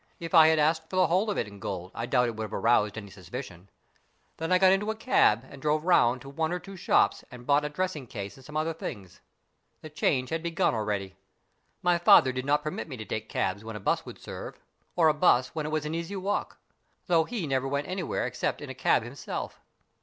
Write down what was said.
If I had asked for the whole of it in gold I doubt if it would have aroused any suspicion. Then I got into a cab and drove round to one or two shops and BURDON'S TOMB 89 bought a dressing case and some other things. The change had begun already. My father did not permit me to take cabs when a 'bus would serve, or a 'bus when it was an easy walk, though he never went anywhere except in a cab himself.